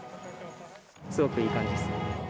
すごくいい感じです。